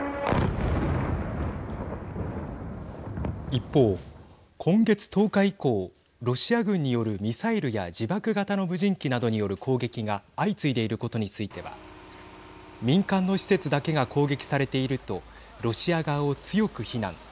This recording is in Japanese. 一方、今月１０日以降ロシア軍によるミサイルや自爆型の無人機などによる攻撃が相次いでいることについては民間の施設だけが攻撃されているとロシア側を強く非難。